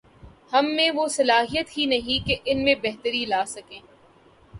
ہم میں وہ صلاحیت ہی نہیں کہ ان میں بہتری لا سکیں۔